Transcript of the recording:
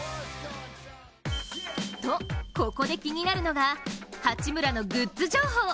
と、ここで気になるのが八村のグッズ情報。